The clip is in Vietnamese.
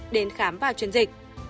đến khám vào chuyến dịch